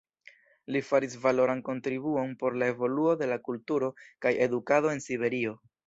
Li faris valoran kontribuon por la evoluo de la kulturo kaj edukado en Siberio.